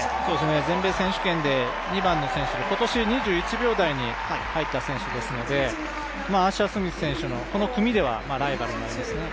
全米選手権で２番の選手で今年２１秒台に入った選手ですのでこの組ではアッシャー・スミス選手のライバルになりますね。